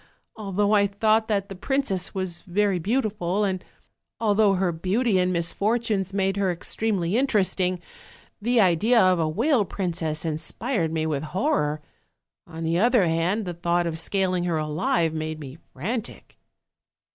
Although I thought that the princess was very beautiful, and although her beauty and misfortunes made her extremely interesting, the idea of a whale princess inspired me with horror; on the other hand, the thought of scaling her alive made me frantic.